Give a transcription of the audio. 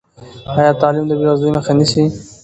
ایا تعلیم د بېوزلۍ مخه نیسي؟